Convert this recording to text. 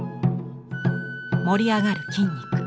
盛り上がる筋肉。